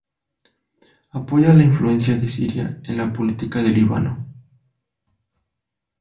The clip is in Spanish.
Apoya la influencia de Siria en la política de Líbano.